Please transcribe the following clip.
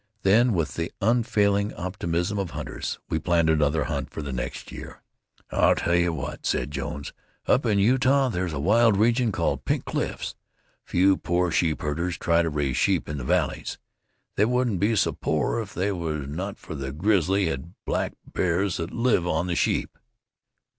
Then, with the unfailing optimism of hunters, we planned another hunt for the next year. "I'll tell you what," said Jones. "Up in Utah there's a wild region called Pink Cliffs. A few poor sheep herders try to raise sheep in the valleys. They wouldn't be so poor if it was not for the grizzly and black bears that live on the sheep.